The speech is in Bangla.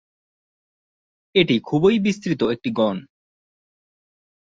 এটি খুবই বিস্তৃত একটি গণ।